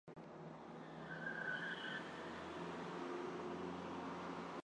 Esto es lo que podemos medir con el valor de "p".